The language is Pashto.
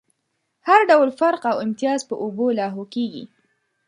هر ډول فرق او امتياز په اوبو لاهو کېږي.